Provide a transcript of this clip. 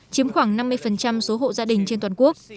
chiếm khoảng năm mươi số hộ gia đình trên toàn quốc